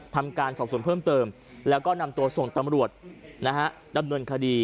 ทำการสอบส่วนเพิ่มเติมแล้วก็นำตัวส่งตำรวจดำเนินคดี